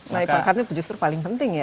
nah pakannya justru paling penting ya